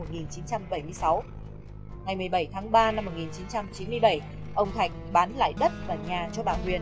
ngày một mươi bảy tháng ba năm một nghìn chín trăm chín mươi bảy ông thạch bán lại đất và nhà cho bà huyền